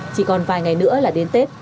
chỉ còn vài ngày nữa là đến tết